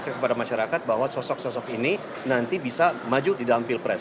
saya kepada masyarakat bahwa sosok sosok ini nanti bisa maju di dalam pilpres